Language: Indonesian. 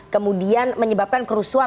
kemudian menyebabkan kerusuhan